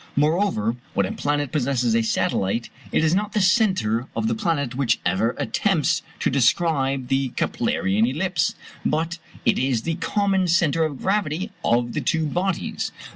Moreover, when a planet possesses a satellite, it is not the centre of the planet which ever attempts to describe the Keplerian ellipse, but it is the common centre of gravity of the two bodies.